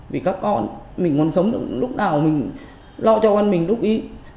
vì các con mình muốn sống được lúc nào mình lo cho con mình lúc ý